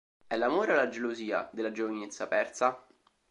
È l'amore o la gelosia della giovinezza persa?